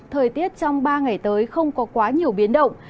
thời tiết trong ba ngày tới không có quá nhiều biến động